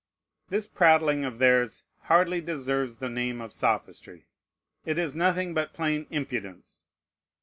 This prattling of theirs hardly deserves the name of sophistry. It is nothing but plain impudence.